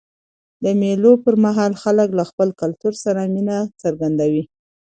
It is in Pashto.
د مېلو پر مهال خلک له خپل کلتور سره مینه څرګندوي.